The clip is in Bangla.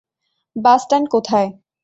বাস স্ট্যান্ড কোথায়?